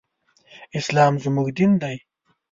اسلام زموږ دين دی